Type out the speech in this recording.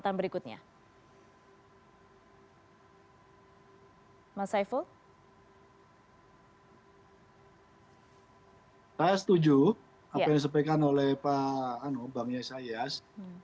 saya setuju apa yang disampaikan oleh pak yesayas